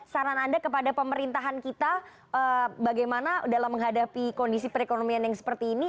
saran anda kepada pemerintahan kita bagaimana dalam menghadapi kondisi perekonomian yang seperti ini